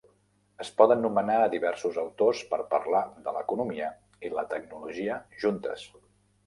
Es poden nomenar a diversos autors per parlar de l'economia i la tecnologia juntes.